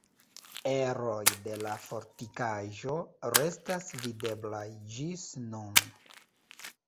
Eroj de la fortikaĵo restas videblaj ĝis nun.